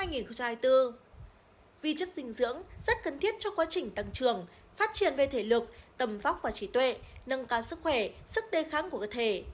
vi chất dinh dưỡng rất cần thiết cho quá trình tăng trưởng phát triển về thể lực tầm vóc và trí tuệ nâng cao sức khỏe sức đề kháng của cơ thể